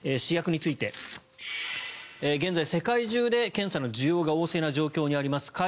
試薬について現在、世界中で検査の需要が旺盛な状況にあります